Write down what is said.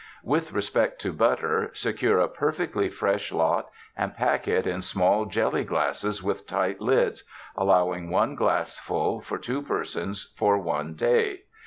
With respect to butter, secure a perfectly fresh lot and pack it in small jelly glasses with tight lids, allowing one glassful for two persons for one day.